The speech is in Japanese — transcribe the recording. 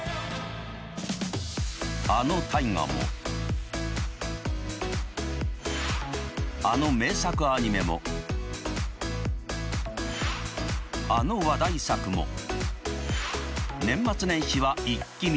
あの「大河」もあの名作アニメもあの話題作も年末年始はイッキ見！